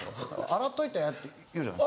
「洗っといて」って言うじゃない？